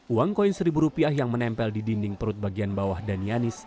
uang koin seribu rupiah yang menempel di dinding perut bagian bawah danianis